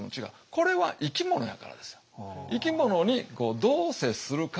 これは生き物やからですよ。